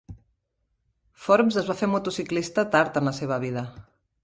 Forbes es va fer motociclista tard en la seva vida.